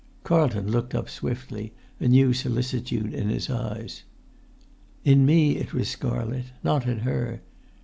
Carlton looked up swiftly, a new solicitude in his eyes. "In me it was scarlet: not in her.